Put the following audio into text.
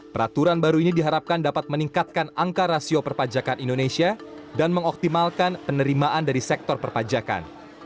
peraturan baru ini diharapkan dapat meningkatkan angka rasio perpajakan indonesia dan mengoptimalkan penerimaan dari sektor perpajakan